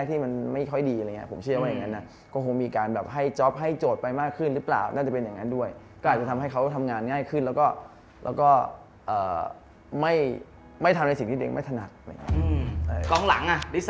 ก็มีภาษาอีกอย่างลีซันโบโมทิเนสตัวเล็กมากอะไรอย่างนี้